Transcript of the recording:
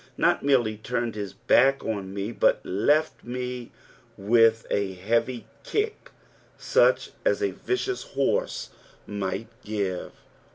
Not merely turned his back on me, but left me with a heavy kick such as u vicious horse might give.